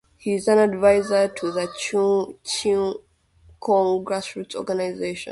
He is also an advisor of the Chua Chu Kang grassroots organisation.